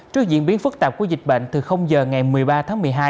trước diễn biến phức tạp của dịch bệnh từ giờ ngày một mươi ba tháng một mươi hai